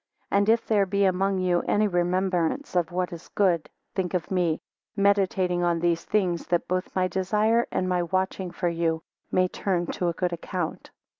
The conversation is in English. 14 And if there be among you any remembrance of what is good, think of me; meditating on these things, that both my desire and my watching for you may turn to a good account.